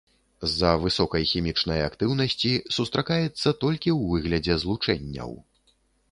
З-за высокай хімічнай актыўнасці сустракаецца толькі ў выглядзе злучэнняў.